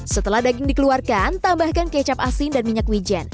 setelah daging dikeluarkan tambahkan kecap asin dan minyak wijen